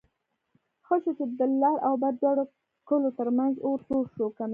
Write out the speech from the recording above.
ښه شو چې د لر او بر دواړو کلو ترمنځ اور سوړ شو کني...